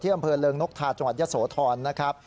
อำเภอเริงนกทาจังหวัดยะโสธรนะครับ